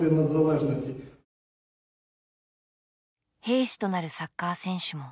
兵士となるサッカー選手も相次いだ。